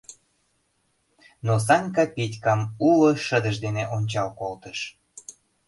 Но Санька Петькам уло шыдыж дене ончал колтыш.